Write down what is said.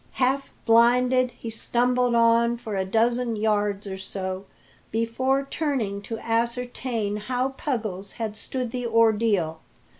Half blinded, he stumbled on for a dozen yards or so before turning to ascertain how Puggles had stood the ordeal.